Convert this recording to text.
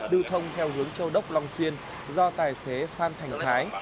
lưu thông theo hướng châu đốc long xuyên do tài xế phan thành thái